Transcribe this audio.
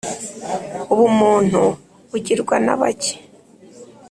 ubumuntu bugirwa na bake